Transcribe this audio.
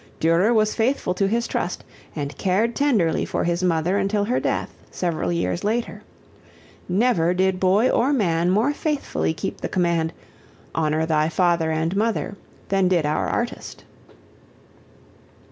Durer was faithful to his trust and cared tenderly for his mother until her death, several years later. Never did boy or man more faithfully keep the command, "Honor thy father and mother," than did our artist.